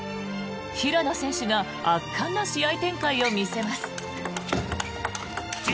平野選手が圧巻の試合展開を見せます。